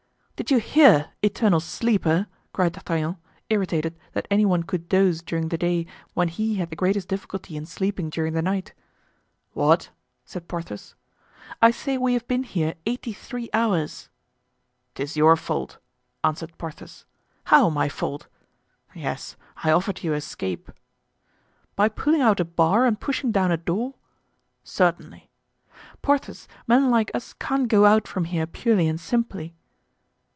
"Did you hear, eternal sleeper?" cried D'Artagnan, irritated that any one could doze during the day, when he had the greatest difficulty in sleeping during the night. "What?" said Porthos. "I say we have been here eighty three hours." "'Tis your fault," answered Porthos. "How, my fault?" "Yes, I offered you escape." "By pulling out a bar and pushing down a door?" "Certainly." "Porthos, men like us can't go out from here purely and simply."